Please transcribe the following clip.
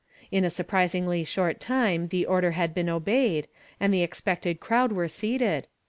In a sur prisingly shirt time the order had been obeyed, and the expected crowd were seated.